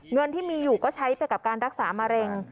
เงินที่มีอยู่ก็ใช้ไปกับการรักษามะเร็ง